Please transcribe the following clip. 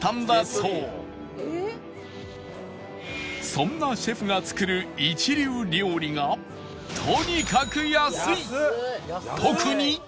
そんなシェフが作る一流料理がとにかく安い！